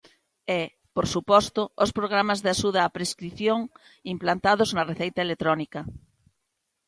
E, por suposto, os programas de axuda á prescrición implantados na receita electrónica.